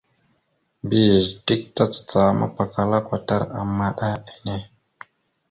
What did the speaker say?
Mbiyez dik tacacah mapakala kwatar maɗa enne.